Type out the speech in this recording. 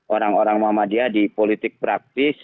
orang orang muhammadiyah di politik praktis